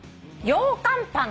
ようかんパン。